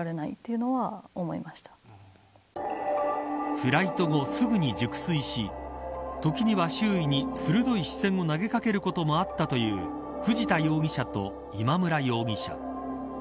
フライト後、すぐに熟睡し時には周囲に鋭い視線を投げ掛けることもあったという藤田容疑者と今村容疑者。